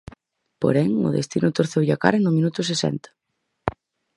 Porén, o destino torceulle a cara no minuto sesenta.